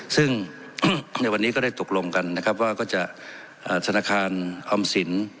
ซึ่งในวันนี้ก็ได้ตกลงกันนะครับว่าก็จะธนาคารออมสิน